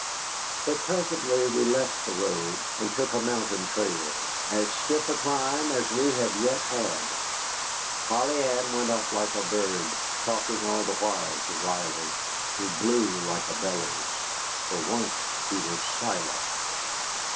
But presently we left the road and took a mountain trail, as stiff a climb as we had yet had. Polly Ann went up it like a bird, talking all the while to Riley, who blew like a bellows. For once he was silent.